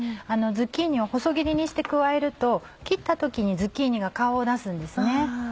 ズッキーニを細切りにして加えると切った時にズッキーニが顔を出すんですね。